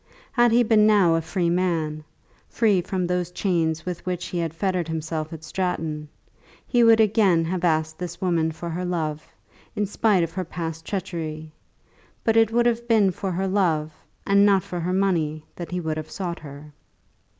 Had he been now a free man, free from those chains with which he had fettered himself at Stratton, he would again have asked this woman for her love, in spite of her past treachery; but it would have been for her love and not for her money that he would have sought her.